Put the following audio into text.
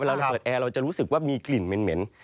เราเปิดแอร์เราจะรู้สึกว่ามีกลิ่นเหม็น